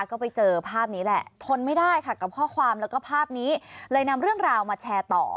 ก็ไปเจอภาพนี้แหละทนไม่ได้ค่ะกับข้อความแล้วก็ภาพนี้เลยนำเรื่องราวมาแชร์ต่อ